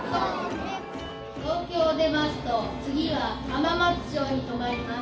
東京を出ますと次は浜松町に止まります。